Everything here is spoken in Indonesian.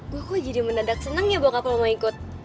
gue kok jadi mendadak senang ya buat apa mau ikut